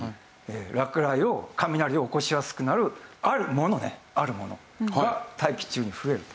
落雷を雷を起こしやすくなるあるものねあるものが大気中に増えると。